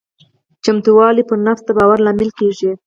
چمتووالی پر نفس د باور لامل کېږي.